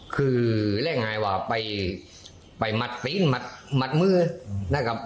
คือแหละไงวะไปมัดปีนมัดมือนะครับ